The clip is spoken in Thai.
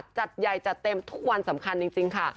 จัดใหญ่จัดเต็มทุกวันสำคัญจริงค่ะ